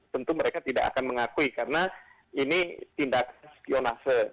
tentu mereka tidak akan mengakui karena ini tindak skionase